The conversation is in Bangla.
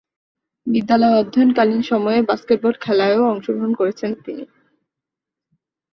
বিদ্যালয়ে অধ্যয়নকালীন সময়ে বাস্কেটবল খেলায়ও অংশগ্রহণ করেছেন তিনি।